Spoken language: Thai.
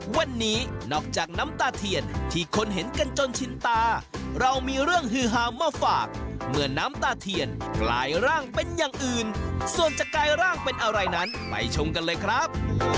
วันนี้นอกจากน้ำตาเทียนที่คนเห็นกันจนชินตาเรามีเรื่องฮือหามาฝากเมื่อน้ำตาเทียนกลายร่างเป็นอย่างอื่นส่วนจะกลายร่างเป็นอะไรนั้นไปชมกันเลยครับ